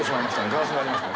ガラスがありましたね